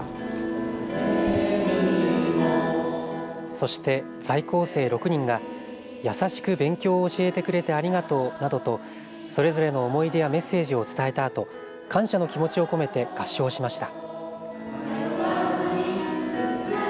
そして在校生６人が優しく勉強を教えてくれてありがとうなどとそれぞれの思い出やメッセージを伝えたあと感謝の気持ちを込めて合唱しました。